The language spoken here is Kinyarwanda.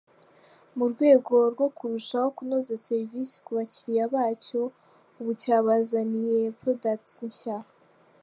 Mu rwego rwo kurushaho kunoza serivisi ku bakiriya bacyo, ubu cyabazaniye za Products nshya.